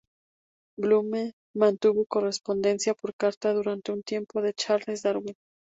Blume mantuvo correspondencia por carta durante un tiempo con Charles Darwin.